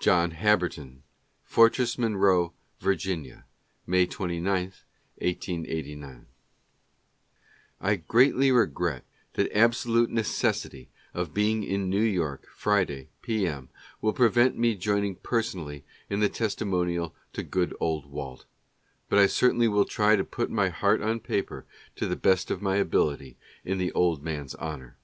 John Habberton : Fortress Monroe, Va., May 29, 1889. I greatly regret that absolute necessity of being in New York, Friday p. m., will prevent me joining personally in the testi monial to good old Walt ; but I certainly will try to put my heart on paper, to best of my ability, in the old man's honor. 68 LETTERS.